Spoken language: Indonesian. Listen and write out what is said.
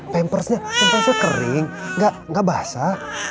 pampersnya kering gak basah